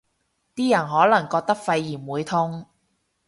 啲人可能覺得肺炎會痛